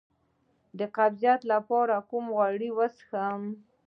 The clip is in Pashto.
د قبضیت لپاره کوم غوړي وڅښم؟